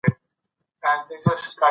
که څرخ وي نو بار نه درندیږي.